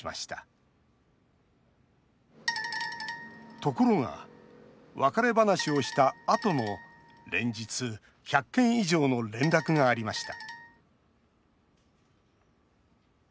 ところが、別れ話をしたあとも連日１００件以上の連絡がありました